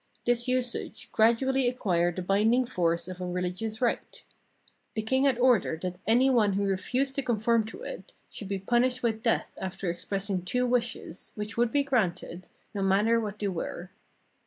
This usage gradually ac quired the binding force of a religious rite. The king had ordered that any one who refused to conform to it should be punished with death after expressing two wishes, which would be granted, no matter what they were.